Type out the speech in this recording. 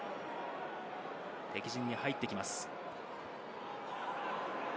敵陣に入ってきます。